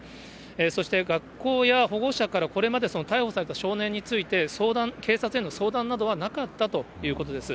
そして学校や保護者から、これまで逮捕された少年について、相談、警察への相談などはなかったということです。